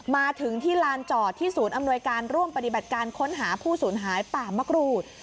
มาถึงที่ลานจอดที่ศูนย์อำนวยการร่วมปฏิบัติการค้นหาผู้สูญหายป่ามะกรูด